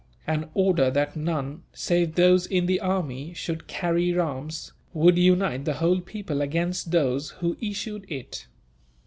An order that none, save those in the army, should carry arms would unite the whole people against those who issued it."